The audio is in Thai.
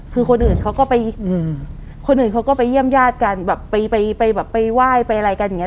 คือคนอื่นเขาก็ไปเยี่ยมญาติกันแบบไปไหว้ไปอะไรกันอย่างนี้